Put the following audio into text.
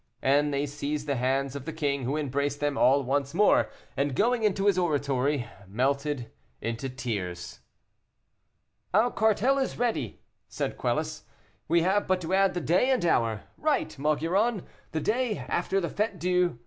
And they seized the hands of the king, who embraced them all once more, and, going into his oratory, melted into tears. "Our cartel is ready," said Quelus, "we have but to add the day and hour. Write, Maugiron, the day after the Fête Dieu.